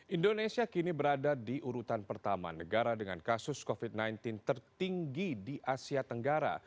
indonesia kini berada di urutan pertama negara dengan kasus covid sembilan belas tertinggi di asia tenggara